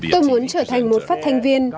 tôi muốn trở thành một người trẻ của nhật bản